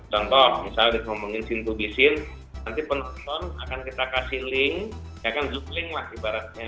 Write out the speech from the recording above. contoh misalnya dikomongin sin tubi sin nanti penonton akan kita kasih link ya kan zoom link lah ibaratnya